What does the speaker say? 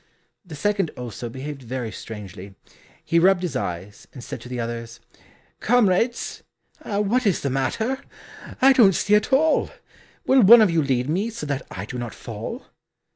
The second also behaved very strangely; he rubbed his eyes, and said to the others, "Comrades, what is the matter? I don't see at all. Will one of you lead me, so that I do not fall."